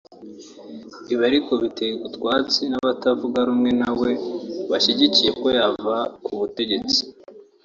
Ibi ariko biterwa utwatsi n’abatavuga rumwe na we bashyigikiye ko yava ku butegetsi